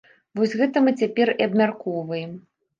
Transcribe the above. Вось гэта мы цяпер і абмяркоўваем.